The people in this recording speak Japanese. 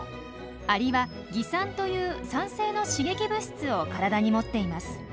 アリは「蟻酸」という酸性の刺激物質を体に持っています。